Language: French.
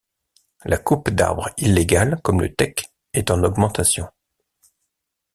La coupe d'arbres illégale, comme le tek, est en augmentation.